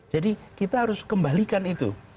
jadi kita harus kembalikan itu